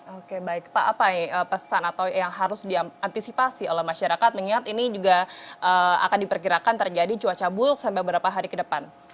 oke baik pak apa pesan atau yang harus diantisipasi oleh masyarakat mengingat ini juga akan diperkirakan terjadi cuaca buruk sampai beberapa hari ke depan